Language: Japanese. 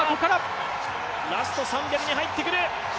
ラスト３００に入ってくる。